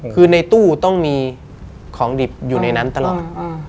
คือในตู้ต้องมีของดิบอยู่ในนั้นตลอด